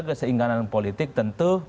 keseingganan politik tentu